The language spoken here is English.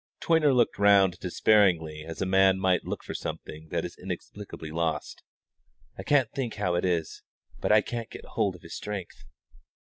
Toyner looked round him despairingly as a man might look for something that is inexplicably lost. "I can't think how it is, but I can't get hold of His strength."